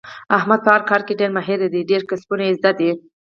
احمد په هر کار کې ډېر ماهر دی. ډېر کسبونه یې زده دي.